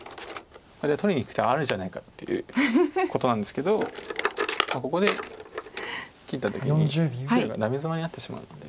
取りにいく手はあるじゃないかっていうことなんですけどここで切った時に白がダメヅマリになってしまうので。